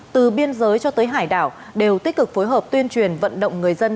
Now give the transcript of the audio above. từ biên giới cho tới hải đảo đều tích cực phối hợp tuyên truyền vận động người dân